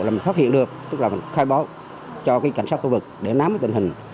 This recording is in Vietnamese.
là mình phát hiện được tức là mình khai báo cho cảnh sát khu vực để nắm tình hình